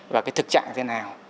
và cái thực trạng thế nào